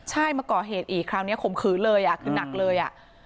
ใช่มาก่อเหตุอีกคราวนี้ขมขือเลยหนักเลย